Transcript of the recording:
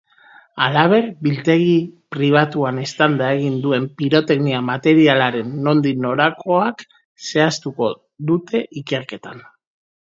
Halaber, biltegi pribatuan eztanda egin duen piroteknia-materialaren nondik norakoak zehaztuko dute ikerketan.